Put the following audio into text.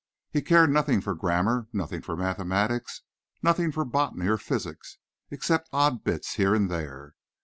He cared nothing for grammar, nothing for mathematics, nothing for botany or physics, except odd bits here and there.